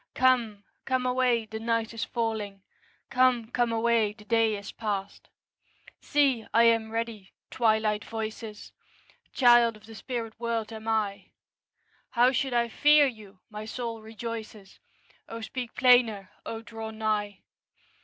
Come, come away, the night is falling; 'Come, come away, the day is past.' See, I am ready, Twilight voices! Child of the spirit world am I; How should I fear you? my soul rejoices, O speak plainer! O draw nigh!